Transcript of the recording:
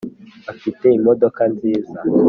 afite imodoka nziza.